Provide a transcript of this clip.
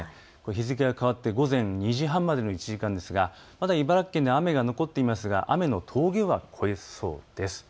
日付が変わって午前２時半までの１時間ですが茨城県でまだ雨が残っていますが雨の峠は越えそうです。